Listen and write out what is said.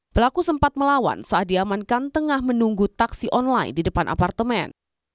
pelaku sempat melawan saat diamankan tengah menunggu taksi online di depan apartemen